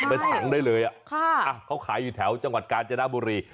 เป็นถังได้เลยเขาขายอยู่แถวจังหวัดกาญจนบุรี